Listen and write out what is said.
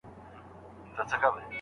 حکومت په بازار کې مداخله وکړه.